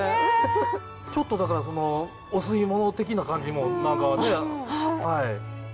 ちょっとだからそのお吸い物的な感じも何かねはい。